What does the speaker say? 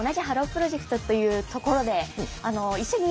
プロジェクトというところで一緒に活動してました。